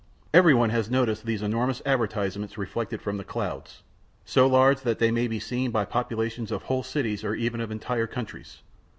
Every one has noticed those enormous advertisements reflected from the clouds, so large that they may be seen by the populations of whole cities or even of entire countries.